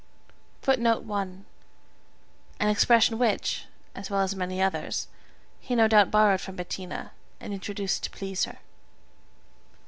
[Footnote 1: An expression which, as well as many others, he no doubt borrowed from Bettina, and introduced to please her.